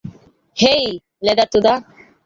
হেই, লেদারচোদা।